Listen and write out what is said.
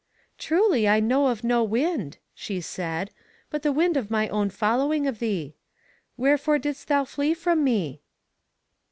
Truly I know of no wind, she said, but the wind of my own following of thee. Wherefore didst thou flee from me?